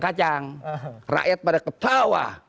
kacang rakyat pada ketawa